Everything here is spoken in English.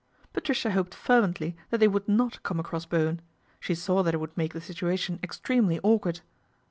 Patricia hoped fervently that they would not ome across Bowen. She saw that it would makr he situation extremely awkward.